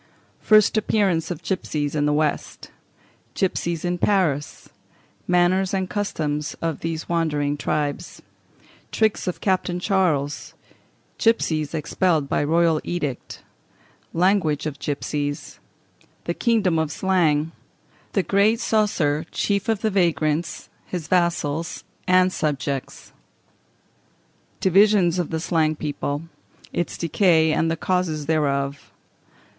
First Appearance of Gipsies in the West. Gipsies in Paris. Manners and Customs of these Wandering Tribes. Tricks of Captain Charles. Gipsies expelled by Royal Edict. Language of Gipsies. The Kingdom of Slang. The Great Coesre, Chief of the Vagrants; his Vassals and Subjects. Divisions of the Slang People; its Decay and the Causes thereof.